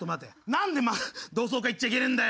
なんで同窓会行っちゃいけねえんだよ。